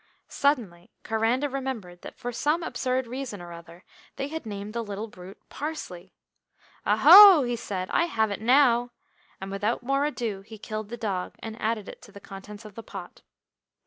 Suddenly Coranda remembered that for some absurd reason or other they had named the little brute "Parsley." "Aho," he said, "I have it now!" And without more ado he killed the dog, and added it to the contents of the pot.